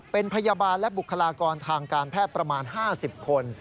เป็นพยาบาลและบุคลากรทางการแพทย์ประมาณ๕๐คน